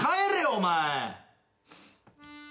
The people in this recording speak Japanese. お前。